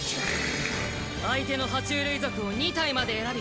相手のは虫類族を２体まで選び